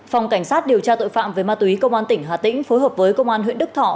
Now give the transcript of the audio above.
phòng cảnh sát điều tra tội phạm về ma túy công an tỉnh hà tĩnh phối hợp với công an huyện đức thọ